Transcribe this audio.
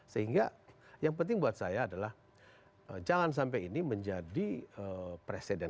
sehingga yang penting buat saya adalah jangan sampai ini menjadi presiden